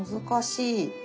難しい。